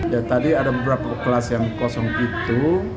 ya tadi ada beberapa kelas yang kosong itu